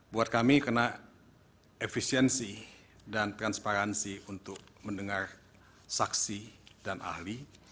buat kami karena efisiensi dan transparansi untuk mendengar saksi dan ahli